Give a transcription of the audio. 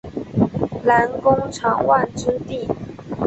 南宫长万之弟。